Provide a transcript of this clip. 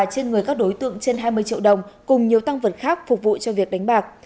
trên người các đối tượng trên hai mươi triệu đồng cùng nhiều tăng vật khác phục vụ cho việc đánh bạc